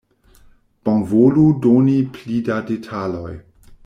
Bonvolu doni pli da detaloj